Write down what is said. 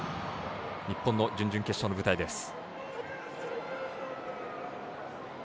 日本の準々決勝の舞台です。